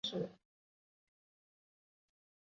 正月十五日彩棺奉移暂安。